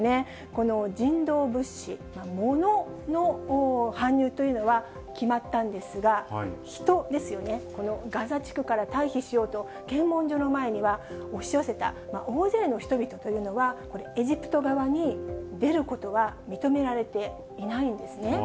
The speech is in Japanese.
この人道物資、物の搬入というのは決まったんですが、人ですよね、このガザ地区から退避しようと、検問所の前には押し寄せた大勢の人々というのは、これ、エジプト側に出ることは認められていないんですね。